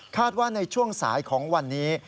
ว่าในช่วงสายของวันนี้